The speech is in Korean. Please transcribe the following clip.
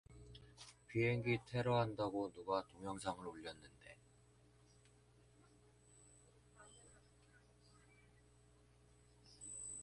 비행기 테러한다고 누가 동영상을 올렸는데